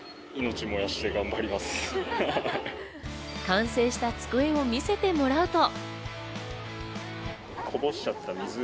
完成した机を見せてもらうと。